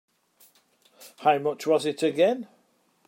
How much was it again?